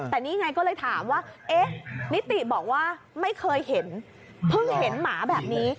แต่นี่ไงก็เลยถามว่าเอ๊ะนิติบอกว่าไม่เคยเห็นเพิ่งเห็นหมาแบบนี้